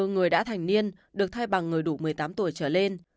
người đã thành niên được thay bằng người đủ một mươi tám tuổi trở lên